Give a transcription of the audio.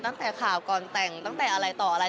ตั้งแต่ข่าวก่อนแต่งตั้งแต่อะไรต่ออะไร